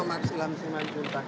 sama maksila masinan juntak